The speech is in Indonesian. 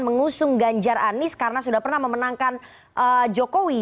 mengusung ganjar anies karena sudah pernah memenangkan jokowi